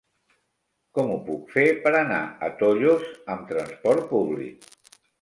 Com ho puc fer per anar a Tollos amb transport públic?